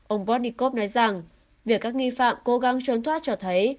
ông protnikov nói rằng việc các nghị phạm cố gắng trốn thoát cho thấy